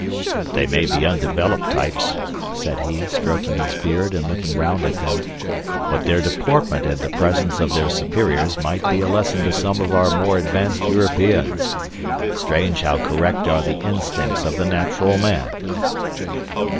"They may be undeveloped types," said he, stroking his beard and looking round at them, "but their deportment in the presence of their superiors might be a lesson to some of our more advanced Europeans. Strange how correct are the instincts of the natural man!"